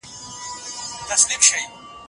دا لیکنه د ژبې له پولې اوښتې ده